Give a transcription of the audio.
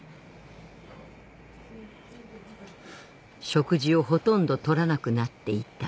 食事をほとんど取らなくなっていた